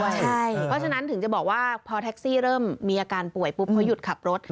เพราะฉะนั้นถึงจะบอกว่าพอแท็กซี่เริ่มมีอาการป่วยปุ๊บเขาหยุดขับรถ